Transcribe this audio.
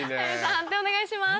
判定お願いします。